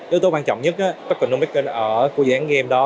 yếu tố quan trọng nhất tất cả nông mỹ của dự án game đó